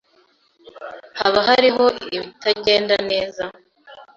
Hoba hariho ibitagenda neza?